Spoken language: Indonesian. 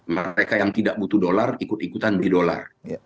mereka yang tidak butuh dolar ikut ikutan beli dolar